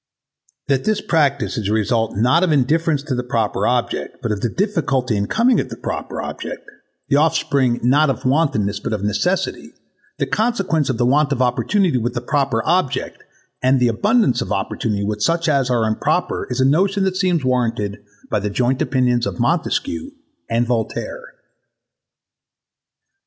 That this practise is the result not of indifference to the proper object but of the difficulty of coming at the proper object, the offspring not of wantonness but of necessity, the consequence I of the want of opportunity with the proper object, and the abundance of opportunity with such as are improper is a notion that seems warranted by the joint opinions of Montesquieu and Voltaire.